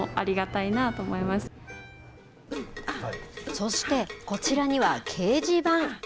そして、こちらには掲示板。